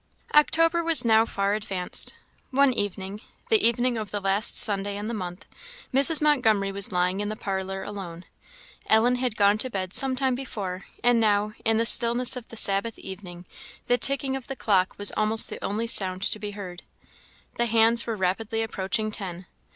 October was now far advanced. One evening the evening of the last Sunday in the month Mrs. Montgomery was lying in the parlour alone. Ellen had gone to bed some time before; and now, in the stillness of the Sabbath evening, the ticking of the clock was almost the only sound to be heard. The hands were rapidly approaching ten.